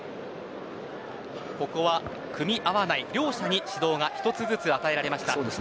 ここは組み合わない両者に指導が両者に与えられました。